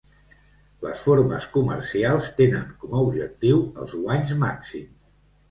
Les formes comercials tenen com a objectiu els guanys màxims.